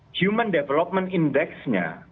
human development index nya